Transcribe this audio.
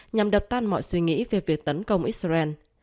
nhằm đập tan mọi suy nghĩ về việc tấn công israel